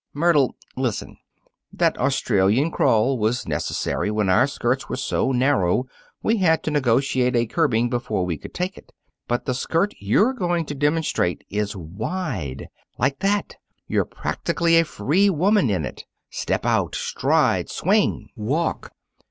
"Myrtle, listen: That Australian crawl was necessary when our skirts were so narrow we had to negotiate a curbing before we could take it. But the skirt you're going to demonstrate is wide. Like that! You're practically a free woman in it. Step out! Stride! Swing! Walk!"